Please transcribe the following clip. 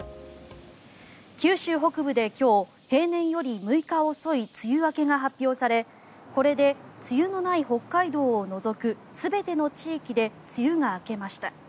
九州北部で今日平年より６日遅い梅雨明けが発表されこれで梅雨のない北海道を除く全ての地域で梅雨が明けました。